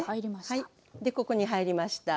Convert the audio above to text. はいここに入りました。